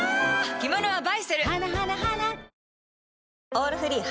「オールフリー」